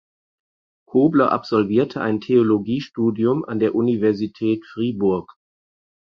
Kobler absolvierte ein Theologiestudium an der Universität Fribourg.